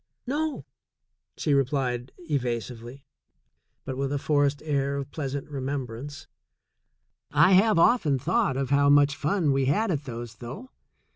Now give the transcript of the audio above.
"No," she replied evasively, but with a forced air of pleasant remembrance; "I have often thought of how much fun we had at those, though.